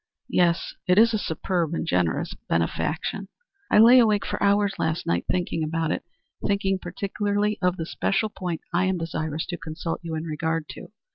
"Yes. It is a superb and generous benefaction." "I lay awake for hours last night thinking about it; thinking particularly of the special point I am desirous to consult you in regard to.